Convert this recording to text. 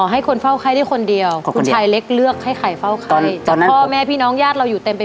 ไกลไหมคะหกสิบกว่ากิโลหกสิบกว่ากิโลหกสิบกว่ากิโล